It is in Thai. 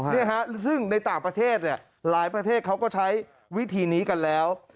เนี่ยฮะซึ่งในต่างประเทศเนี่ยหลายประเทศเขาก็ใช้วิธีนี้กันแล้ว